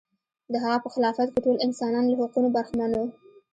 د هغه په خلافت کې ټول انسانان له حقونو برخمن و.